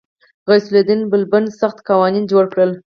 غیاث الدین بلبن سخت قوانین جوړ کړل.